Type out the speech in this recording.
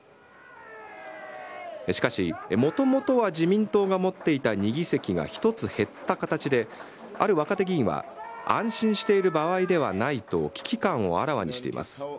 しかし、もともとは自民党が持っていた２議席が、１つ減った形で、ある若手議員は、安心している場合ではないと、危機感をあらわにしています。